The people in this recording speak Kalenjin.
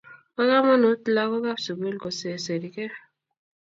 bo kamanuut lagookab sugul koserserigee